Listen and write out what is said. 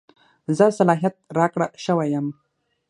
زه صلاحیت راکړه شوی یم.